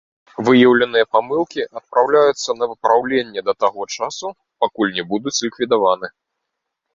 Выяўленыя памылкі адпраўляюцца на выпраўленне да таго часу, пакуль не будуць ліквідаваны.